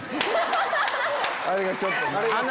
あれがちょっとな。